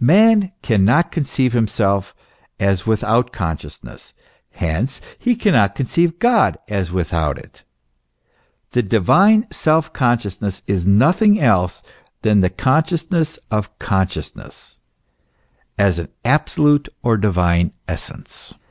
Man cannot conceive himself as without consciousness ; hence he cannot conceive God as without it. The divine self con THE MYSTERY OF THE TRINITY. 65 sciousness is nothing else than the consciousness of con sciousness as an absolute or divine essence.